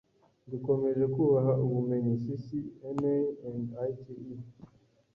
dukomeje kubaha ubumenyi ccna & ite